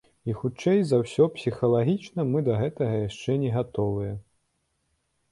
І, хутчэй за ўсё, псіхалагічна мы да гэтага яшчэ не гатовыя.